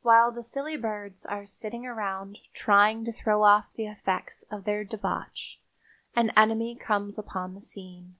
While the silly birds are sitting around trying to throw off the effects of their debauch an enemy comes upon the scene.